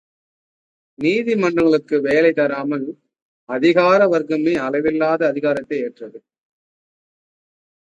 நீதிமன்றங்களுக்கு வேலை தராமல், அதிகார வர்க்கமே அளவில்லாத அதிகாரத்தை ஏற்றது.